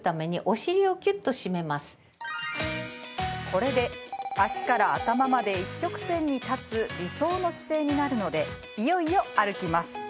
これで、足から頭まで一直線に立つ理想の姿勢になるのでいよいよ歩きます。